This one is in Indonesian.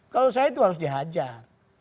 kalau saya itu harus dihajar